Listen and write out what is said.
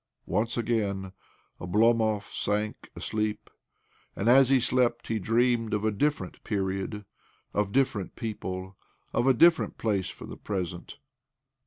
... Once again Oblomov sank asleep ; and as he slept he dreamed of a different period, of different people, of a different place from the present.